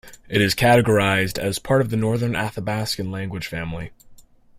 It is categorized as part of the Northern Athabaskan language family.